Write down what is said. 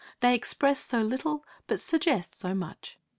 They express so little but suggest so much!